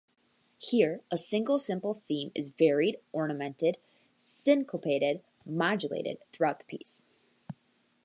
Here, a single simple theme is varied, ornamented, syncopated, modulated throughout the piece.